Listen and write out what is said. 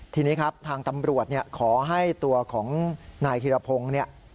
ทีนี้ครับทางตำรวจขอให้ตัวของนายธิรพงศ์เนี่ย